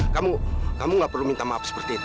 kamu gak perlu minta maaf seperti itu